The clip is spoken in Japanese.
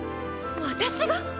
私が！？